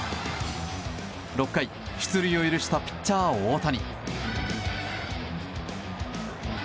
６回、出塁を許したピッチャー大谷。